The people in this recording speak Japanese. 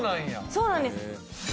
そうなんです。